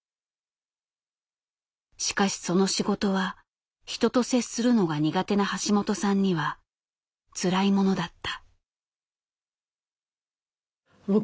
しかしその仕事は人と接するのが苦手な橋本さんにはつらいものだった。